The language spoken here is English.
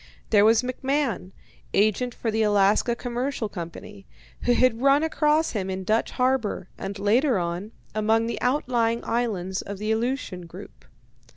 There was McMahon, agent for the Alaska Commercial Company, who had run across him in Dutch Harbour, and later on, among the outlying islands of the Aleutian group.